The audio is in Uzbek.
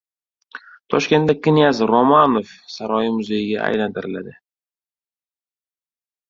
Toshkentdagi knyaz Romanov saroyi muzeyga aylantiriladi